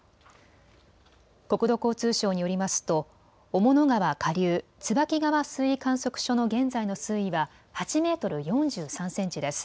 国土交通省によりますと雄物川下流、椿川水位観測所の現在の水位は８メートル４３センチです。